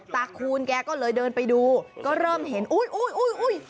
คูณแกก็เลยเดินไปดูก็เริ่มเห็นอุ้ย